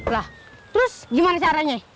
lah terus gimana caranya